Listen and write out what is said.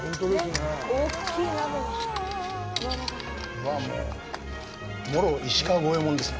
うわ、もろ石川五右衛門ですね。